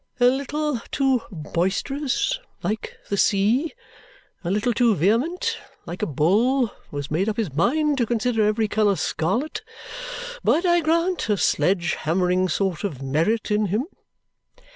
"A little too boisterous like the sea. A little too vehement like a bull who has made up his mind to consider every colour scarlet. But I grant a sledge hammering sort of merit in him!"